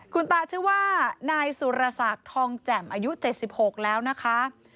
คุณตาชื่อว่านายสุรศักดิ์ทองแจ่มอายุ๗๖แล้วนะคะ